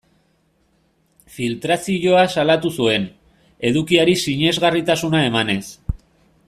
Filtrazioa salatu zuen, edukiari sinesgarritasuna emanez.